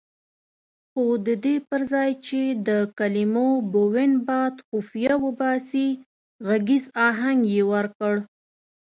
خو ددې پرځای چې د کلمو بوین باد خفیه وباسي غږیز اهنګ یې ورکړ.